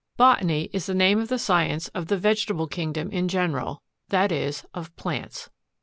1. BOTANY is the name of the science of the vegetable kingdom in general; that is, of plants.